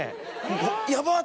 ヤバっ！